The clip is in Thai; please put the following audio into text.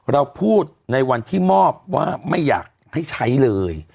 เราพูดในวันที่มอบว่าไม่อยากให้ใช้เลย